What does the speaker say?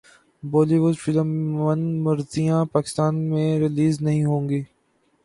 بولی would film Manmarziyaan Pakistan میں release نہیں ہوگی